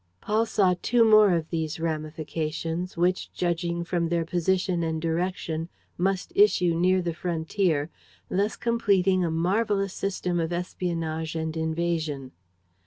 Paul saw two more of these ramifications, which, judging from their position and direction, must issue near the frontier, thus completing a marvelous system of espionage and invasion.